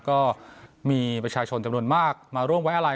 ก็มีประชาชนจำนวนมากมาร่วมไว้อะไร